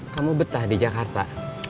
kamu betah di jakarta